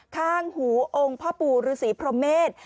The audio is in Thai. ค้างหูองค์พ่อปูรูศิพรเมธ